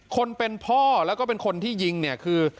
คนเป็นพ่อแล้วก็เป็นคนที่ยิงเนี่ยคือ